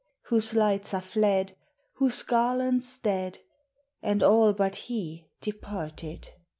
Whose lights are fled, Whose garlands dead, And all but he departed.